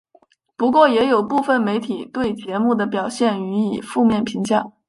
不过也有部分媒体对节目的表现予以负面评价。